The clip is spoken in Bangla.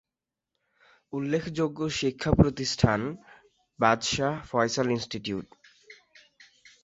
উল্লেখযোগ্য শিক্ষা প্রতিষ্ঠান: বাদশাহ ফয়সাল ইনস্টিটিউট।